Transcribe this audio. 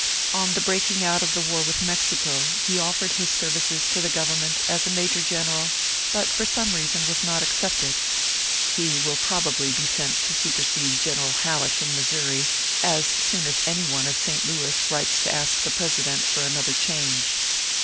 On the breaking out of the war with Mexico, he offered his services to the Gov ernment as a major general, but, for some reason, was not accepted. He will probably be sent to supersede General Halleck, in Missouri, as soon as any one of St. Louis writes to ask the President for another change.